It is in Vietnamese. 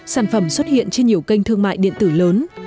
sản phẩm xuất hiện trên nhiều kênh thương mại điện tử lớn